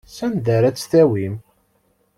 Sanda ara tt-tawim?